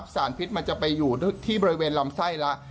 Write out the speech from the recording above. สารพิษมันจะไปอยู่ที่บริเวณลำไส้แล้ว